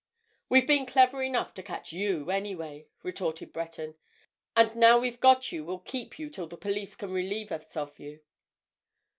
"We've been clever enough to catch you, anyway," retorted Breton. "And now we've got you we'll keep you till the police can relieve us of you."